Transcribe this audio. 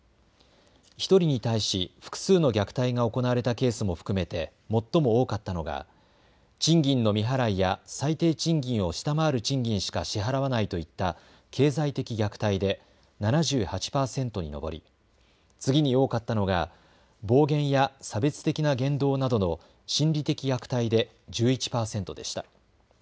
１人に対し複数の虐待が行われたケースも含めて最も多かったのが賃金の未払いや最低賃金を下回る賃金しか支払わないといった経済的虐待で７８％に上り、次に多かったのが暴言や差別的な言動などの心理的虐待で１１％でした。